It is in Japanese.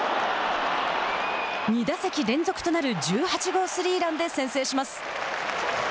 ２打席連続となる１８号スリーランで先制します。